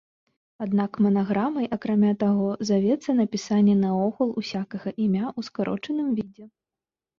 Аднак манаграмай, акрамя таго, завецца напісанне наогул усякага імя ў скарочаным відзе.